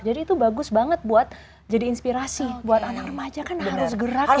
jadi itu bagus banget buat jadi inspirasi buat anak remaja kan harus gerak ya